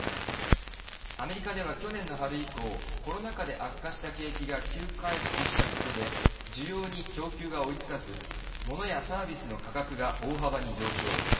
アメリカでは去年の春以降コロナ禍で悪化した景気が急回復したことで需要に供給が追いつかずモノやサービスの価格が大幅に上昇。